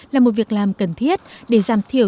là một việc làm cần thiết để giảm thiểu